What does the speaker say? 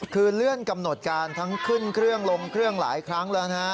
คือเลื่อนกำหนดการทั้งขึ้นเครื่องลงเครื่องหลายครั้งแล้วนะฮะ